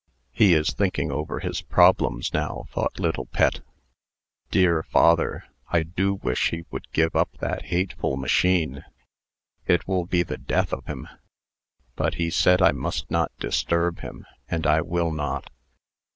"He is thinking over his problems now," thought little Pet. "Dear father! I do wish he would give up that hateful machine. It will be the death of him. But he said I must not disturb him, and I will not.